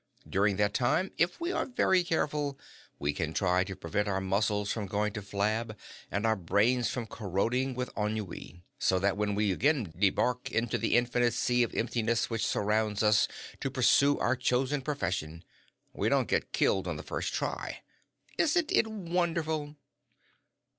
During that time, if we are very careful, we can try to prevent our muscles from going to flab and our brains from corroding with ennui, so that when we again debark into the infinite sea of emptiness which surrounds us to pursue our chosen profession, we don't get killed on the first try. Isn't it wonderful?"